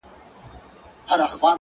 او د آس پښو ته د وجود ټول حرکات ولېږه’